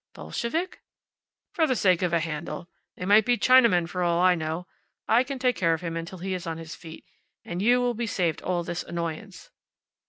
"Bolshevik?" "For the sake of a handle. They might be Chinamen, for all I know. I can take care of him until he is on his feet. And you will be saved all this annoyance.